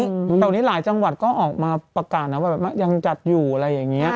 แต่วันนี้หลายจังหวัดก็ออกมาประกาศนะว่าแบบยังจัดอยู่อะไรอย่างเงี้